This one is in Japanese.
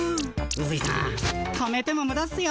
うすいさん止めてもむだっすよ。